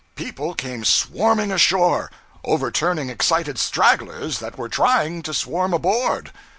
People came swarming ashore, overturning excited stragglers that were trying to swarm aboard.